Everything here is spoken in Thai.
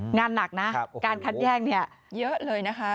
งานหนักนะการคัดแยกเนี่ยเยอะเลยนะคะ